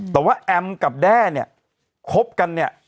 แต่ว่าแอมกับแด้เนี่ยคบกันเนี่ย